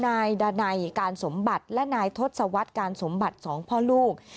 นายดานัยการสมบัติและนายทศวรรษการสมบัติสองพ่อลูก